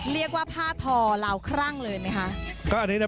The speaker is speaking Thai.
เรียกว่าผ้าทอลาวครั่งเลยไหมคะ